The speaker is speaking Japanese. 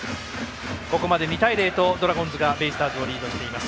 ここまで２対０とドラゴンズがベイスターズをリードしています。